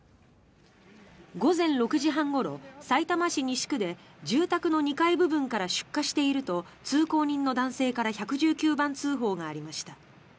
午前６時半ごろさいたま市西区で住宅の２階部分から出火していると通行人の男性から１１９番通報がありました。